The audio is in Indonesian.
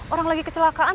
orang lagi kecelakaan